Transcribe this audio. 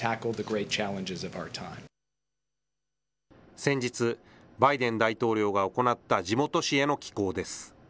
先日、バイデン大統領が行った地元紙への寄稿です。